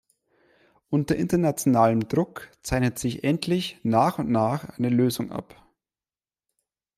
Unter internationalem Druck zeichnet sich endlich nach und nach eine Lösung ab.